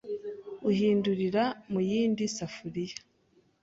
uhindurira mu yindi safuriya